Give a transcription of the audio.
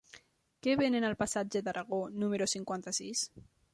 Què venen al passatge d'Aragó número cinquanta-sis?